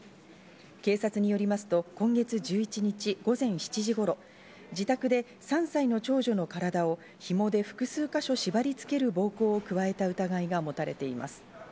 警察によりますと、今月１１日午前７時頃、自宅で３歳の長女の体を紐で複数か所縛り付ける暴行を加えた疑いが持たれています。